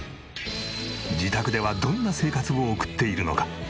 自宅ではどんな生活を送っているのか？